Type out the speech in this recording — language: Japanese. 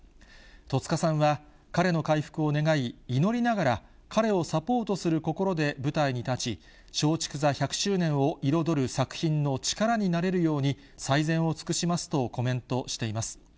戸塚さんは、彼の回復を願い、祈りながら、彼をサポートする心で舞台に立ち、松竹座１００周年を彩る作品の力になれるように、最善を尽くしますとコメントしています。